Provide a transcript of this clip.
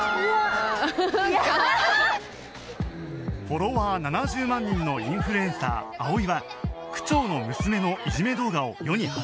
フォロワー７０万人のインフルエンサー葵は区長の娘のいじめ動画を世に発信する